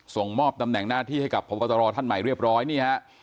ส่งมอบตำแหน่งหน้าที่ให้กับพบตรท่านใหม่เรียบร้อยนี่ฮะ